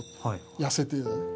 痩せて。